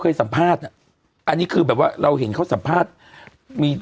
สัมภาษณ์อ่ะอันนี้คือแบบว่าเราเห็นเขาสัมภาษณ์มี